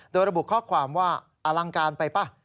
โดยระบุข้อความว่าอลังการไปป่ะ